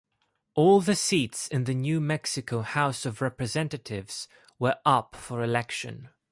All the seats in the New Mexico House of Representatives were up for election.